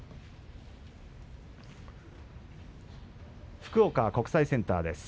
福岡国際センターです。